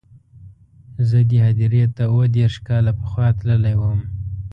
زه دې هدیرې ته اووه دېرش کاله پخوا تللی وم.